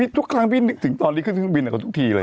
ทุกครั้งพี่ถึงตอนนี้ขึ้นเครื่องบินกับทุกทีเลย